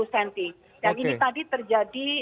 yang ini tadi terjadi tiga belas lima cm